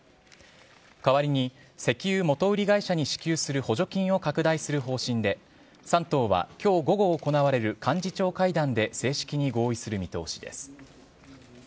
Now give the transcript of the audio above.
代わりに石油元売り会社に支給する補助金を拡大する方針で、３党はきょう午後行われる幹事長会談で正式に合意する見通しです。